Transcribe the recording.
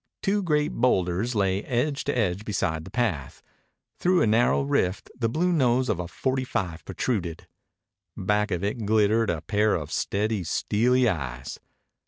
Two great boulders lay edge to edge beside the path. Through a narrow rift the blue nose of a forty five protruded. Back of it glittered a pair of steady, steely eyes.